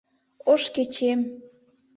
«Ош кечем!